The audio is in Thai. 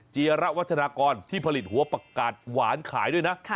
จีระวัฒนากรที่ผลิตหัวประกาศหวานขายด้วยนะ